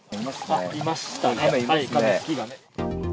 あっ、いましたね。